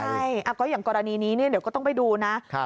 ใช่ก็อย่างกรณีนี้เดี๋ยวก็ต้องไปดูนะ